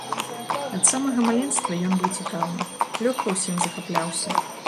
Ад самага маленства ён быў цікаўным, лёгка ўсім захапляўся.